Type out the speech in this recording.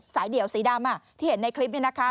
เดี่ยวสีดำที่เห็นในคลิปนี้นะคะ